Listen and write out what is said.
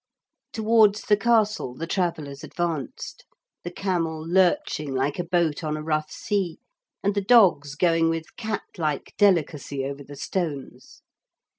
Towards the castle the travellers advanced, the camel lurching like a boat on a rough sea, and the dogs going with cat like delicacy over the stones.